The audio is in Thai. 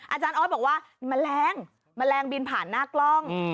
อาจารย์ออทบอกว่ามะแรงมะแรงบินผ่านหน้ากล้อง